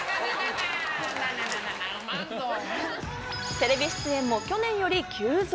テレビ出演も去年より急増。